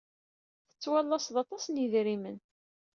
Tettwalased aṭas n yidrimen.